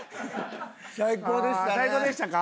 最高でしたね。